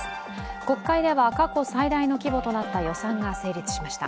国会では過去最大の規模となった予算が成立しました。